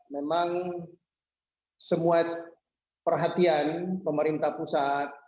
memang semua perhatian pemerintah pusat